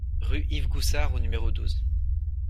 Rue Yves Goussard au numéro douze